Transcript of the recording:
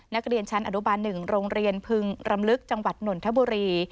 นักเรียนชั้นอนุบาล๑โรงเรียนพึงรำลึกจังหวัดนนทบุรี